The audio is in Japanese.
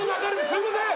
すいません。